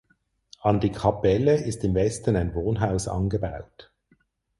An die Kapelle ist im Westen ein Wohnhaus angebaut.